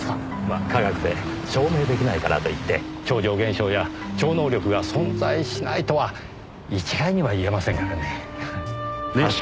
まあ科学で証明出来ないからといって超常現象や超能力が存在しないとは一概には言えませんからねねっ？